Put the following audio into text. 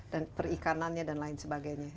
dan perikanannya dan lain sebagainya